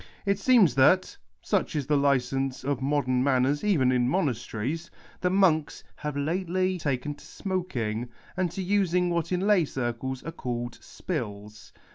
It seems that — such is the lieenee of modern manners even in monasteries — the monks have lately taken to smoking, and to using what in lay circles are calleil " spills."